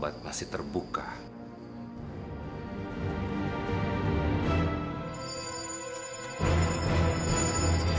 ibu nanti kita ambil ke misek